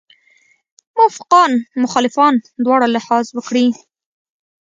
موافقان مخالفان دواړه لحاظ وکړي.